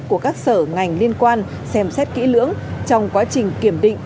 của các sở ngành liên quan xem xét kỹ lưỡng trong quá trình kiểm định